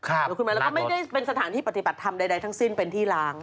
แล้วก็ไม่ได้เป็นสถานที่ปฏิบัติธรรมใดทั้งสิ้นเป็นที่ล้าง